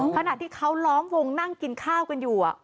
ขณะที่เขาล้อมวงนั่งกินข้าวกันอยู่